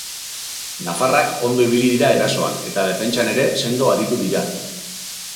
Nafarrak ondo ibili dira erasoan, eta defentsan ere sendo aritu dira.